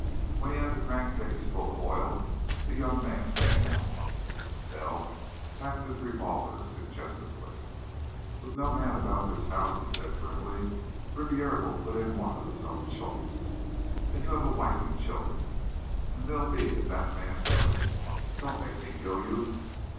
When he had the crankcase full of oil the young man came out. Bell tapped his revolver suggestively. "With no man about this house," he said grimly, "Ribiera will put in one of his own choice. And you have a wife and children and they'll be at that man's mercy. Don't make me kill you.